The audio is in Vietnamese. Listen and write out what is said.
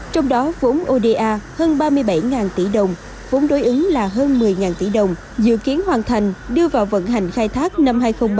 trước khi bạn giao cho nhà thầu chính thi công